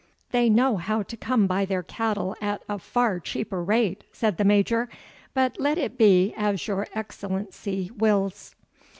"They know how to come by their cattle at a far cheaper rate," said the Major; "but let it be as your Excellency wills."